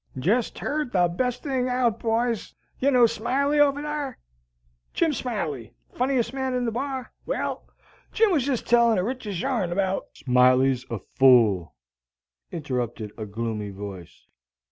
"Jest heard the best thing out, boys! Ye know Smiley, over yar, Jim Smiley, funniest man in the Bar? Well, Jim was jest telling the richest yarn about " "Smiley's a fool," interrupted a gloomy voice.